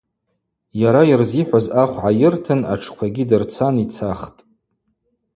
Йара йырзихӏваз ахв гӏайыртын атшквагьи дырцан йцахтӏ.